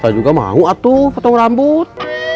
saya juga mau atuh potong rambut